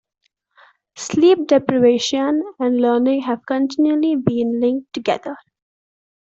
Sleep deprivation and learning have continually been linked together.